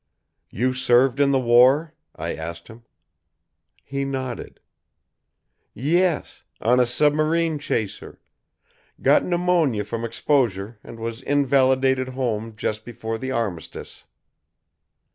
"You served in the war?" I asked him. He nodded. "Yes. On a submarine chaser. Got pneumonia from exposure and was invalided home just before the Armistice."